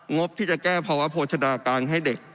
งบที่จะแก้ภาวะโภชนาการให้เด็ก